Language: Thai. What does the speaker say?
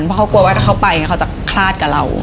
เพราะเขากลัวว่าถ้าเขาไปเขาจะคลาดกับเรา